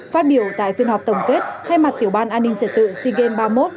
phát biểu tại phiên họp tổng kết thay mặt tiểu ban an ninh trả tự sigem ba mươi một